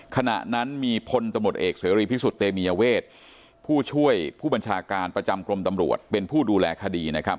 ขณะนั้นมีพลตำรวจเอกเสรีพิสุทธิ์เตมียเวทผู้ช่วยผู้บัญชาการประจำกรมตำรวจเป็นผู้ดูแลคดีนะครับ